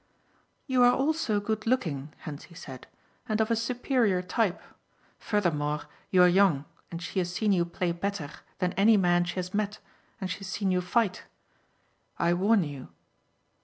"You are also good looking," Hentzi said, "and of a superior type. Furthermore you are young and she has seen you play better than any man she has met and she has seen you fight. I warn you."